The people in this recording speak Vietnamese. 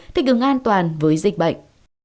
thích ứng an toàn với dịch bệnh